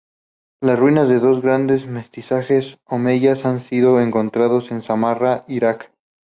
Las ruinas de dos grandes mezquitas omeyas han sido encontradas en Samarra, Iraq.